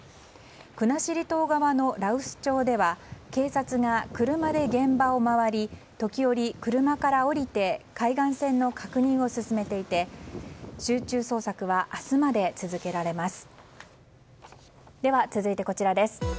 国後島側の羅臼町では警察が車で現場を回り時折、車から降りて海岸線の確認を進めていて集中捜索は明日まで続けられます。